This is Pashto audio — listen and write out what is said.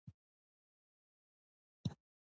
ما ورته وویل: زما په خونه کې یوه کوچنۍ بسته پرته ده.